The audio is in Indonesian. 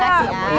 terima kasih ya